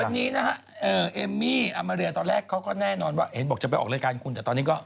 วันนี้นะฮะเอมมี่อามาเรียตอนแรกเขาก็แน่นอนว่าเห็นบอกจะไปออกรายการคุณแต่ตอนนี้ก็